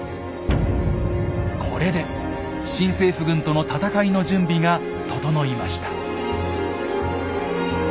これで新政府軍との戦いの準備が整いました。